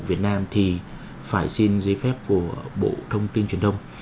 việt nam thì phải xin giấy phép của bộ thông tin truyền thông